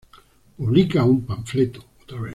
publica un panfleto